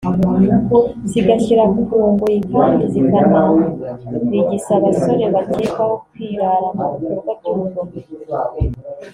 zigashyira ku ngoyi kandi zikanarigisa abasore bakekwagaho kwirara mu bikorwa by’urugomo